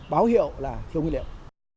báo hiệu là thiếu nguyên liệu